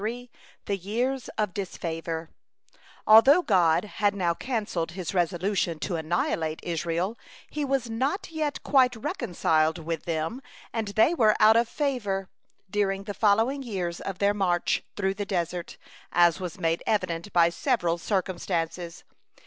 THE YEARS OF DISFAVOR Although God had now cancelled His resolution to annihilate Israel, He was not yet quite reconciled with them, and they were out of favor during the following years of their march through the desert, as was made evident by several circumstances.